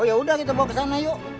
oh ya udah kita bawa kesana yuk